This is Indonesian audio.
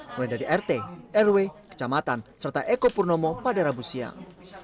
mulai dari rt rw kecamatan serta eko purnomo pada rabu siang